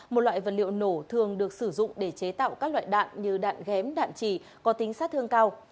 một loại vật liệu nổ thường được sử dụng để chế tạo các loại đạn như đạn ghém đạn chỉ có tính sát thương cao